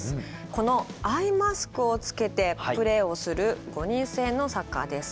このアイマスクをつけてプレーをする５人制のサッカーです。